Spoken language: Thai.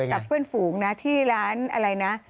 กับเพื่อนฝูงนะที่ร้านอะไรนะ